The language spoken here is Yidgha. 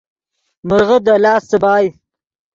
مرغے دے لاست څیبائے